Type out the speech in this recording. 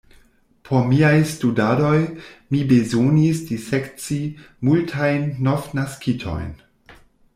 Por miaj studadoj mi bezonis disekci multajn novnaskitojn.